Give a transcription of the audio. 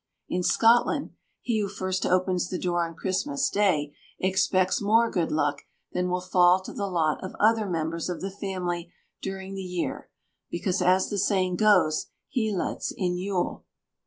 In Scotland, he who first opens the door on Christmas Day expects more good luck than will fall to the lot of other members of the family during the year, because, as the saying goes, he lets in Yule.